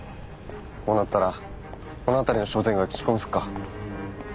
こうなったらこの辺りの商店街聞き込みすっか。